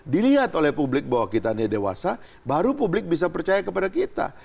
dilihat oleh publik bahwa kita ini dewasa baru publik bisa percaya kepada kita